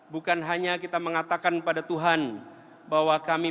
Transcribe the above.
lindungi masyarakat kami